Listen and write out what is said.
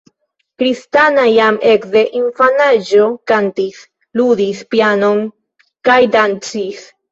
Kristina jam ekde infanaĝo kantis, ludis pianon kaj dancis.